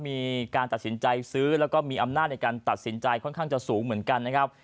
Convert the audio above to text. มีการตัดสินใจซื้อแล้วก็มีอำนาจในการตัดสินใจค่อนข้างจะสูงเหมือนกันนะครับ